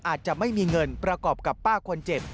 อาจจะไม่มีเงินประกอบกับป้าคนเจ็บ